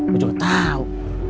kamu juga tau